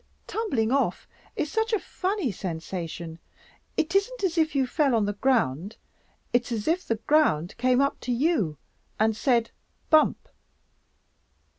"Tumbling off is such a funny sensation. It isn't as if you fell on the ground; it's as if the ground came up to you and said Bump!"